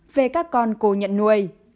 về các con cô nhận nuôi